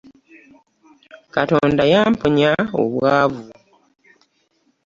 Katonda yamponya obwavu.